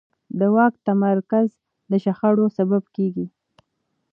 د واک تمرکز د شخړو سبب کېږي